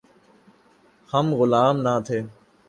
ہم غلام نہ تھے۔